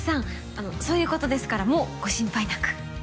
あのそういうことですからもうご心配なく。